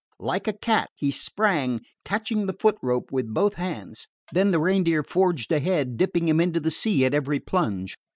Like a cat he sprang, catching the foot rope with both hands. Then the Reindeer forged ahead, dipping him into the sea at every plunge.